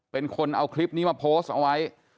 เป็นคนเอาคลิปนี้มาโพสต์เอาไว้